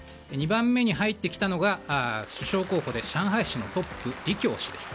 ２番目に入ってきたのが首相候補で上海市のトップリ・キョウ氏です。